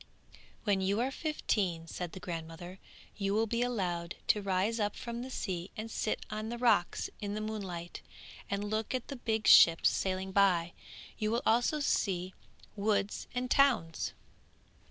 'When you are fifteen,' said the grandmother, 'you will be allowed to rise up from the sea and sit on the rocks in the moonlight, and look at the big ships sailing by, and you will also see woods and towns.'